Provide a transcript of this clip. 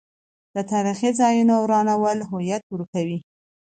د تاریخي ځایونو ورانول هویت ورکوي.